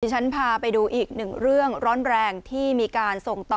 ฉันพาไปดูอีกหนึ่งเรื่องร้อนแรงที่มีการส่งต่อ